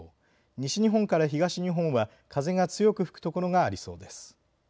西日本から東日本は風が強く吹く所がありそうです。